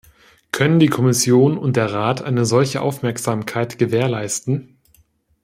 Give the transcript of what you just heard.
Können die Kommission und der Rat eine solche Aufmerksamkeit gewährleisten?